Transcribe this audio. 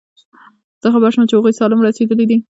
زه خبر شوم چې هغوی سالم رسېدلي دي.